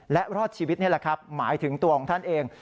และรอดชีวิตนี่แหละครับหมายถึงตัวของท่านเอง